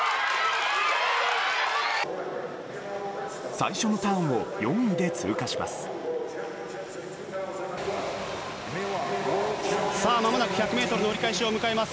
最初のターンを４位で通過します。